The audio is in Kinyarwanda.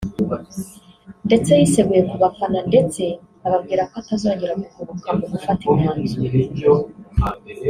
ndetse yiseguye ku bafana ndetse ababwira ko atazongera guhubuka mu gufata imyanzuro